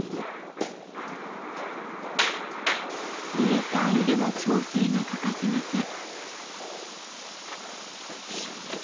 ミリ単位での調整が欠かせません。